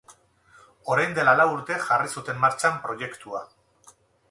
Orain dela lau urte jarri zuten martxan proiektua.